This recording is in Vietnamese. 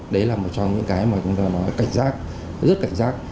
đấy là một trong những cái mà chúng ta nói cảnh giác rất cảnh giác